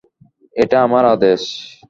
এটা আমার আদেশ।